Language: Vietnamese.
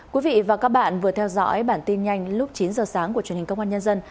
cảm ơn quý vị và các bạn vừa theo dõi bản tin nhanh lúc chín h sáng của truyền hình công an nhân dân